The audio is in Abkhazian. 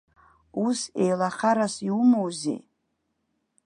Ус еилахарас иумоузеи?